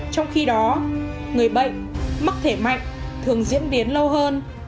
trong khi đó người bệnh mắc thể mạnh thường diễn biến lâu hơn